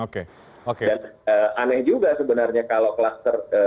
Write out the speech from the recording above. dan aneh juga sebenarnya kalau kluster